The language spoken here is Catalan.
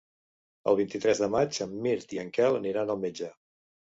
El vint-i-tres de maig en Mirt i en Quel aniran al metge.